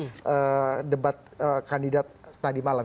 jadi perdebatan di debat kandidat tadi malam